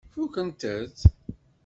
Fukkent-t?